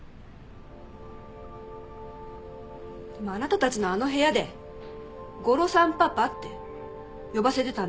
でもあなたたちのあの部屋で「ゴロさんパパ」って呼ばせてたんですよね？